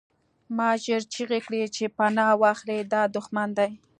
ما ژر چیغې کړې چې پناه واخلئ دا دښمن دی